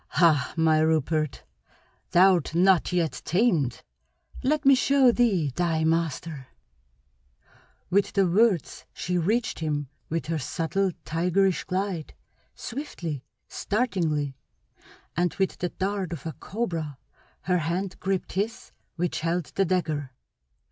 "Hah, my Rupert, thou'rt not yet tamed. Let me show thee thy master!" With the words she reached him with her subtle, tigerish glide, swiftly, startlingly, and with the dart of a cobra her hand gripped his which held the dagger.